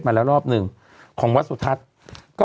มาแล้วรอบหนึ่งของวัดสุทัศน์